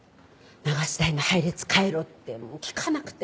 流し台の配列変えろってもう聞かなくて。